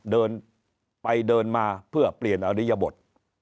เดินไปเดินมาเพื่อเปลี่ยนอริยบท